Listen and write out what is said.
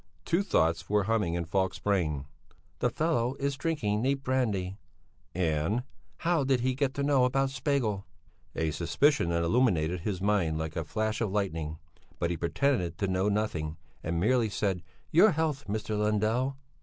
Two thoughts were humming in Falk's brain: "The fellow is drinking neat brandy" and "How did he get to know about Spegel?" A suspicion illuminated his mind like a flash of lightning, but he pretended to know nothing, and merely said: "Your health, Mr. Lundell!"